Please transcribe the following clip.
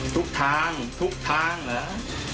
ทุกทางทุกทางเหรอ